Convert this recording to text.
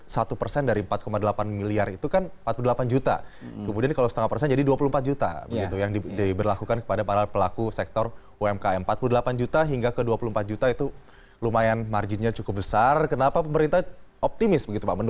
selamat pagi mas